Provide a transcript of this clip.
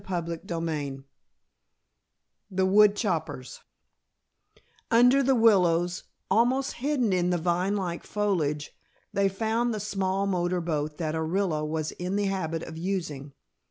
CHAPTER XVIII THE WOODCHOPPERS Under the willows, almost hidden in the vine like foliage, they found the small motor boat that Orilla was in the habit of using.